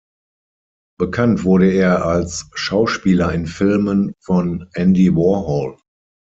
Bekannt wurde er als Schauspieler in Filmen von Andy Warhol.